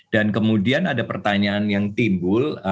dan kemudian ada pertanyaan yang timbul